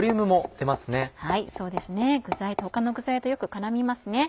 そうですね他の具材とよく絡みますね。